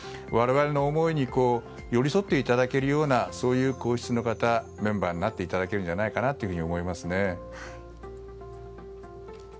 我々の思いに寄り添っていただけるようなそういう皇室のメンバーになっていただけるんじゃないかと思いますね。